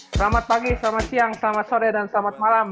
selamat pagi selamat siang selamat sore dan selamat malam